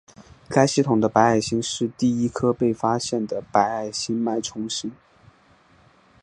该系统的白矮星是第一颗被发现的白矮星脉冲星。